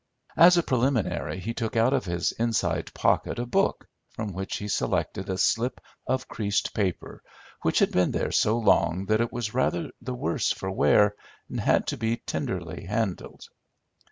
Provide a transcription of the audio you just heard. As a preliminary, he took out of his inside pocket a book, from which he selected a slip of creased paper, which had been there so long that it was rather the worse for wear, and had to be tenderly handled.